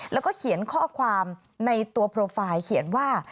แล้วก็เขียนข้อความในตัวโปรไฟล์เขียนว่า